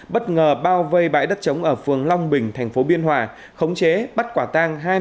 bất ngờ bao vây bãi đất trống ở phường long bình thành phố biên hòa khống chế bắt quả tang